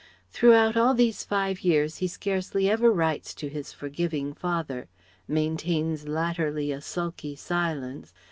Throughout all these five years he scarcely ever writes to his forgiving father; maintains latterly a sulky silence.